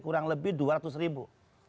kurang lebih dua ratus ribu